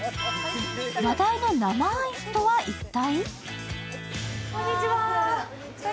話題の生アイスとは一体？